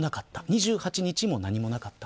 ２８日も何もなかった。